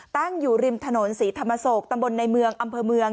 ตั้งอยู่ริมถนนศรีธรรมโศกตำบลในเมืองอำเภอเมือง